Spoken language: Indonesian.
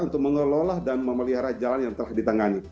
untuk mengelola dan memelihara jalan yang telah ditangani